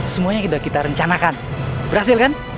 semuanya sudah kita rencanakan berhasil kan